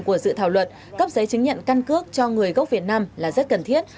của dự thảo luật cấp giấy chứng nhận căn cước cho người gốc việt nam là rất cần thiết